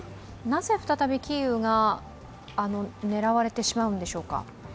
なぜ再びキーウが狙われてしまうんでしょうか。